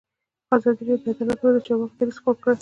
ازادي راډیو د عدالت لپاره د چارواکو دریځ خپور کړی.